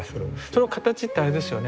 その形ってあれですよね。